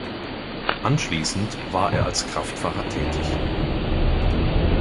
Anschließend war er als Kraftfahrer tätig.